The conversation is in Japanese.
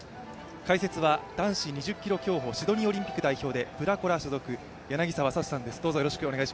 解説は男子２０ｋｍ競歩、シドニーオリンピック代表フラコラ所属、柳澤哲さんです。